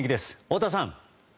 太田さん！